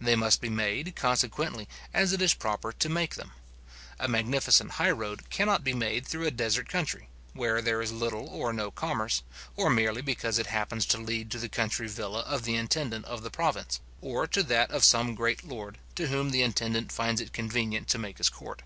They must be made, consequently, as it is proper to make them. A magnificent high road cannot be made through a desert country, where there is little or no commerce, or merely because it happens to lead to the country villa of the intendant of the province, or to that of some great lord, to whom the intendant finds it convenient to make his court.